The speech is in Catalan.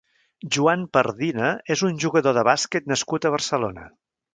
Joan Pardina és un jugador de bàsquet nascut a Barcelona.